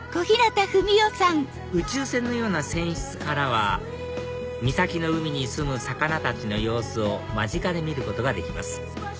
宇宙船のような船室からは三崎の海にすむ魚たちの様子を間近で見ることができます